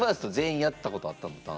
全員やったことあったの？